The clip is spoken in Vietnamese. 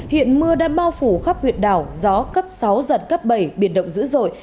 hiện mưa đã bao phủ khắp huyệt đảo gió cấp sáu giật cấp bảy biệt động dữ dội